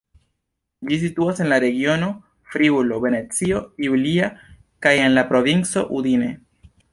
Ĝi situas en la regiono Friulo-Venecio Julia kaj en la provinco Udine.